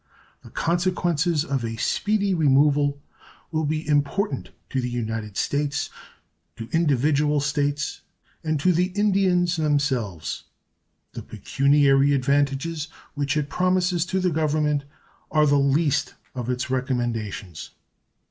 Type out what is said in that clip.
The consequences of a speedy removal will be important to the United States, to individual States, and to the Indians themselves. The pecuniary advantages which it promises to the Government are the least of its recommendations.